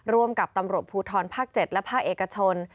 ร่วมกับตำรวจภูทรภาค๗และภาคเอกชน